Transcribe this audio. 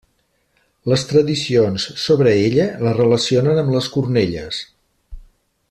Les tradicions sobre ella la relacionen amb les cornelles.